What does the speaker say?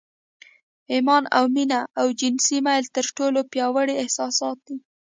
ایمان او مینه او جنسي میل تر ټولو پیاوړي احساسات دي